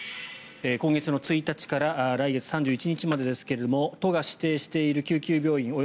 今月１日から来月３１日までですが都が指定している救急病院